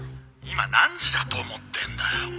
「今何時だと思ってんだよ」